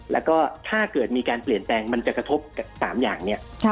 แล้วก็ถ้าเกิดมีการเปลี่ยนแปลงมันจะกระทบกับ๓อย่างเนี่ย